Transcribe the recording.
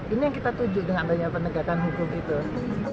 ini yang kita tuju dengan adanya penegakan hukum itu